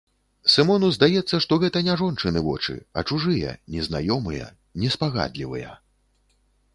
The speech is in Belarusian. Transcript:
Сымону здаецца, што гэта не жончыны вочы, а чужыя, незнаёмыя, неспагадлівыя.